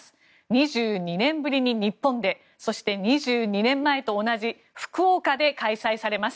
２２年ぶりに日本でそして２２年前と同じ福岡で開催されます。